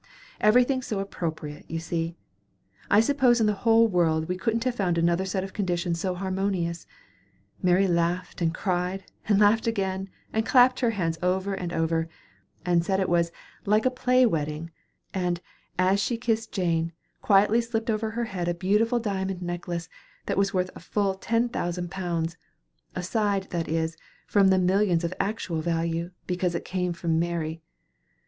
Everything so appropriate, you see; I suppose in the whole world we couldn't have found another set of conditions so harmonious. Mary laughed and cried, and laughed again, and clapped her hands over and over, and said it was "like a play wedding"; and, as she kissed Jane, quietly slipped over her head a beautiful diamond necklace that was worth full ten thousand pounds aside, that is, from the millions of actual value, because it came from Mary.